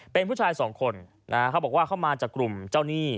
เป็นผู้ชายสองคนเขามามาจากกลุ่มเจ้าหนี้